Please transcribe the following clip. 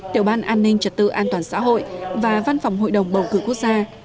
tiểu ban an ninh trật tự an toàn xã hội và văn phòng hội đồng bầu cử quốc gia